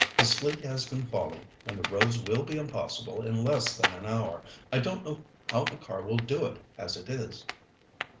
The sleet has been falling, and the roads will be impossible in less than an hour. I don't know how the car will do it as it is."